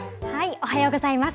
おはようございます。